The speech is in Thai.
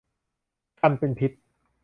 ครรภ์เป็นพิษ